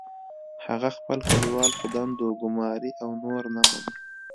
هغه خپل کلیوال په دندو ګماري او نور نه مني